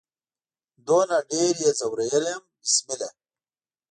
دومره ډیر يې ځورولي يم بسمله